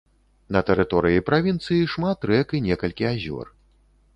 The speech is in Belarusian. На тэрыторыі правінцыі шмат рэк і некалькі азёр.